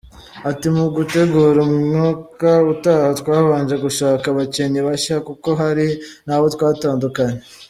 Ati “Mu gutegura umwaka utaha twabanje gushaka abakinnyi bashya kuko hari n’abo twatandukanye.